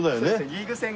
リーグ戦。